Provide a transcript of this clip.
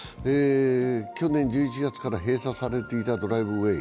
去年１１月から閉鎖されていたドライブウエー。